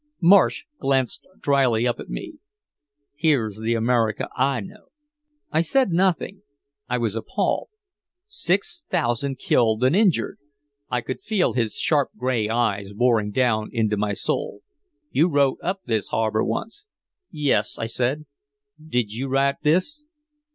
'" Marsh glanced dryly up at me: "Here's the America I know." I said nothing. I was appalled. Six thousand killed and injured! I could feel his sharp gray eyes boring down into my soul: "You wrote up this harbor once." "Yes," I said. "Did you write this?"